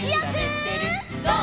「ゴー！